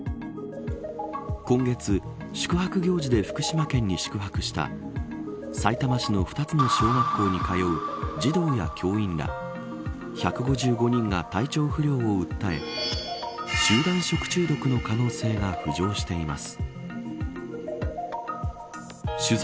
今月、宿泊行事で福島県に宿泊したさいたま市の２つの小学校に通う児童や教員ら１５５人が体調不良を訴え集団食中毒の可能性が浮上しています。